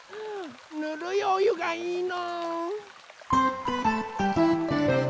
ぬるいおゆがいいの。